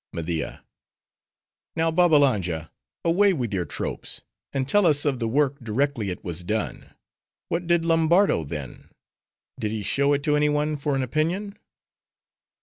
MEDIA—Now, Babbalanja, away with your tropes; and tell us of the work, directly it was done. What did Lombardo then? Did he show it to any one for an opinion?